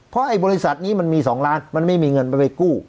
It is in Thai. เพราะไอ้บริษัทนี้มันมี๒ล้านมันไม่มีเงินไปกู้